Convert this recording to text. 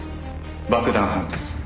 爆弾犯です」